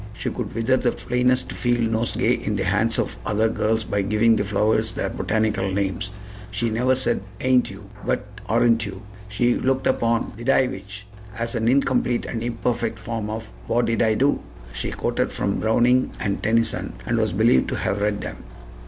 She could wither the plainest field nosegay in the hands of other girls by giving the flowers their botanical names. She never said "Ain't you?" but "Aren't you?" She looked upon "Did I which?" as an incomplete and imperfect form of "What did I do?" She quoted from Browning and Tennyson, and was believed to have read them.